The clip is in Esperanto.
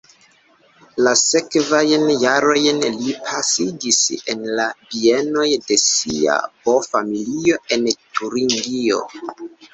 La sekvajn jarojn li pasigis en la bienoj de sia bo-familio en Turingio.